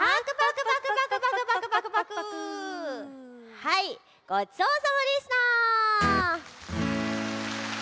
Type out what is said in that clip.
はいごちそうさまでした！